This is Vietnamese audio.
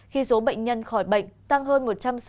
khi số bệnh nhân khỏi bệnh tăng hơn một trăm sáu mươi